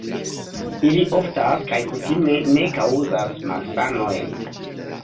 Ili oftas kaj kutime ne kaŭzas malsanojn.